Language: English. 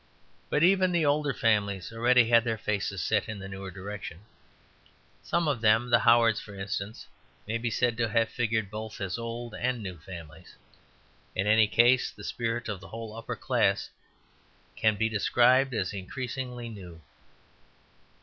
But even the older families already had their faces set in the newer direction. Some of them, the Howards, for instance, may be said to have figured both as old and new families. In any case the spirit of the whole upper class can be described as increasingly new.